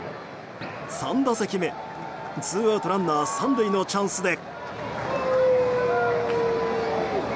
３打席目ツーアウトランナー３塁のチャンスで。